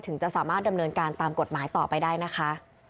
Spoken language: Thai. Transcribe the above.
จะสามารถดำเนินการตามกฎหมายต่อไปได้นะคะ